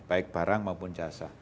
baik barang maupun jasa